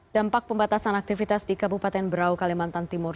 dampak pembatasan aktivitas di kabupaten berau kalimantan timur